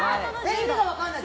意味が分かんない。